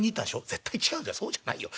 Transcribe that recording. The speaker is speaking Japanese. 「絶対違うそうじゃないよ。